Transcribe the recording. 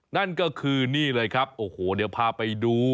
นั่นก็คือนี่เลยครับโอ้โหเดี๋ยวพาไปดู